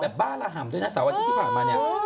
บ้าระห่ำด้วยนะเสาร์อาทิตย์ที่ผ่านมาเนี่ย